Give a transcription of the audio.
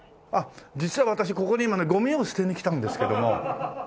実は私ここに今ねゴミを捨てに来たんですけども。